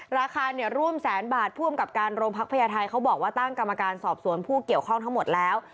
ราคาเนี่ยร่วมแสนบาทผู้อำกับการโรงพักพญาไทยเขาบอกว่าตั้งกรรมการสอบสวนผู้เกี่ยวข้องทั้งหมดแล้ว